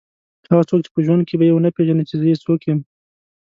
هغه څوک چې په ژوند کې به یې ونه پېژني چې زه څوک یم.